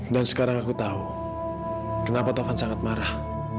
dan sekarang aku tau kenapa tovan sangat marah